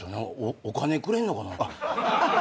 お金くれんのかな。